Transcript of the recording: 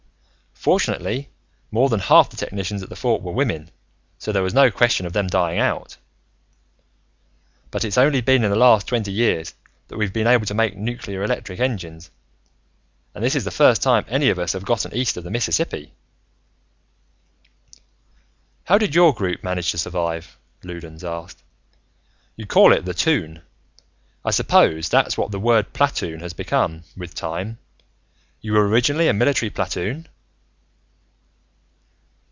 Fortunately, more than half the technicians at the Fort were women, so there was no question of them dying out. "But it's only been in the last twenty years that we've been able to make nuclear electric engines, and this is the first time any of us have gotten east of the Mississippi." "How did your group manage to survive?" Loudons asked. "You call it the Toon. I suppose that's what the word platoon has become, with time. You were, originally, a military platoon?"